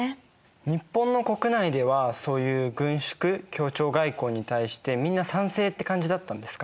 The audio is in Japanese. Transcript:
日本の国内ではそういう軍縮協調外交に対してみんな賛成って感じだったんですか？